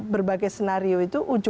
berbagai sinario itu